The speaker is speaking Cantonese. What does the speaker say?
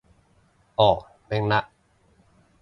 哦，明嘞